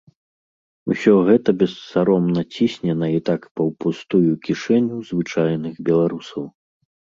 Усё гэта бессаромна цісне на і так паўпустую кішэню звычайных беларусаў.